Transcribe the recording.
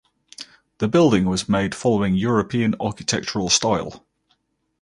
The building was made following European architectural style.